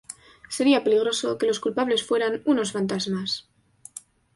Sería peligroso que los culpables fueran unos fantasmas.